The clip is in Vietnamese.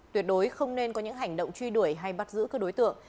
tuyệt đối không nên có những hành động truy đuổi hay bắt giữ các đối tượng